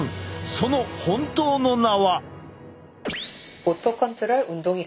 その本当の名は。